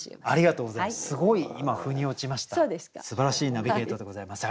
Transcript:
すばらしいナビゲートでございます。